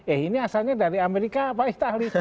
eh ini asalnya dari amerika pak istahli